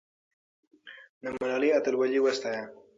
د ملالۍ اتلولي وستایه.